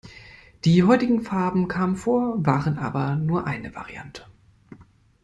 Die heutigen Farben kamen vor, waren aber nur eine Variante.